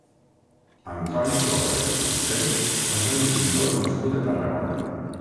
Antoni Torres Fuster va ser un pintor nascut a Tarragona.